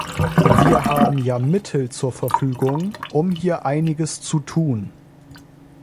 Wir haben ja Mittel zur Verfügung, um hier einiges zu tun.